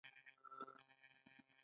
د موټرو لوګی هوا خرابوي.